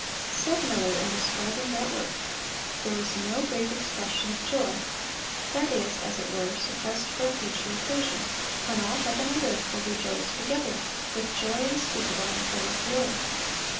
Said Miller, in describing that work: "There is no great expression of joy: that is, as it were, suppressed for a future occasion, when all heaven and earth will rejoice together with joy unspeakable and full of glory.